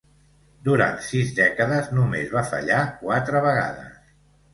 Durant sis dècades només va fallar quatre vegades.